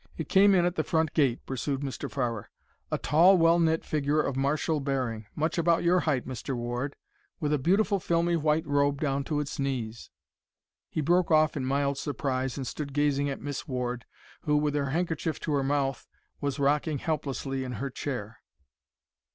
"It came in at the front gate," pursued Mr. Farrer. "A tall, well knit figure of martial bearing—much about your height, Mr. Ward—with a beautiful filmy white robe down to its knees—" He broke off in mild surprise, and stood gazing at Miss Ward, who, with her handkerchief to her mouth, was rocking helplessly in her chair.